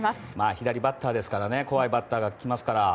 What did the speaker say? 左バッターですから怖いバッターが来ますから。